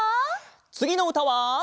つぎのうたは。